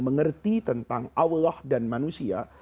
mengerti tentang allah dan manusia